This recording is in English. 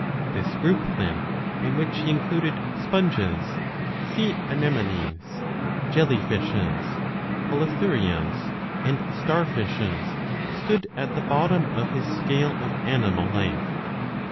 This group, then, in which he included Sponges, Sea anemones, Jelly fishes, Holothurias, and Star fishes, stood at the bottom of his scale of animal life.